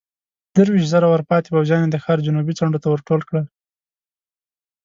درويشت زره ورپاتې پوځيان يې د ښار جنوبي څنډو ته ورټول کړل.